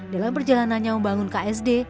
dalam perjalanannya membangun ksd